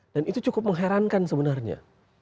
itu cukup mengherankan sebenarnya